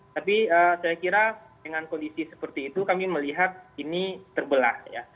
tapi saya kira dengan kondisi seperti itu kami melihat ini terbelah ya